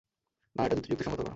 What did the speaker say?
না, এটা যুক্তিসংগত হলো না।